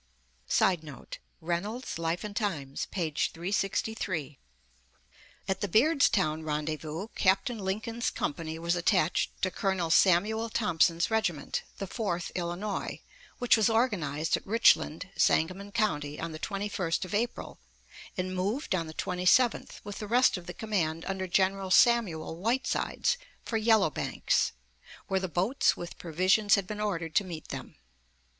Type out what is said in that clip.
[Sidenote: Reynolds, "Life and Times," p. 363.] At the Beardstown rendezvous, Captain Lincoln's company was attached to Colonel Samuel Thompson's regiment, the Fourth Illinois, which was organized at Richland, Sangamon County, on the 21st of April, and moved on the 27th, with the rest of the command under General Samuel Whitesides, for Yellow Banks, where the boats with provisions had been ordered to meet them.